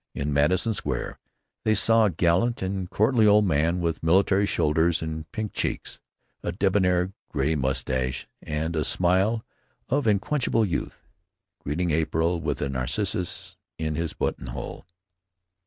In Madison Square they saw a gallant and courtly old man with military shoulders and pink cheeks, a debonair gray mustache, and a smile of unquenchable youth, greeting April with a narcissus in his buttonhole.